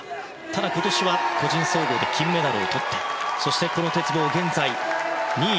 ただ今年は、個人総合で金メダルをとってそしてこの鉄棒現在、２位。